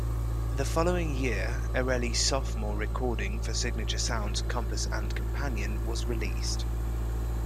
The following year, Erelli's sophomore recording for Signature Sounds, "Compass and Companion" was released.